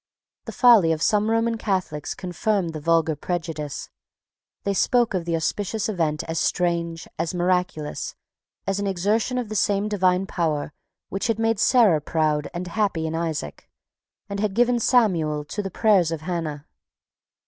The folly of some Roman Catholics confirmed the vulgar prejudice. They spoke of the auspicious event as strange, as miraculous, as an exertion of the same Divine power which had made Sarah proud and happy in Isaac, and had given Samuel to the prayers of Hannah.